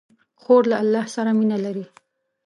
خور له الله سره مینه لري.